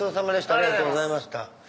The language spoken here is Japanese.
ありがとうございます。